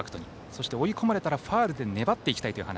そして、追い込まれたらファウルで粘っていきたいという話。